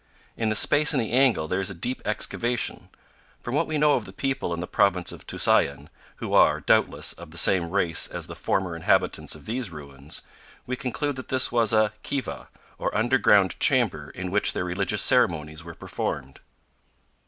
In the space in the angle there is a deep excavation. From what we know of the people in the Province of Tusayan, who are, doubtless, of the same race as the former inhabitants of these ruins, we conclude that this was a kiva, or underground chamber in which their religious ceremonies were performed.